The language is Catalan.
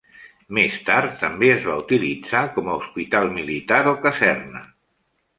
Més tard també es va utilitzar com a hospital militar o caserna.